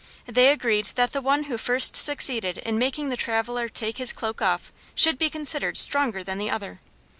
They agreed that the one who first succeeded in making the traveler take his cloak off should be considered stronger than the other.